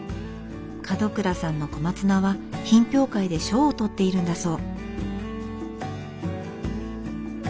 門倉さんの小松菜は品評会で賞を取っているんだそう。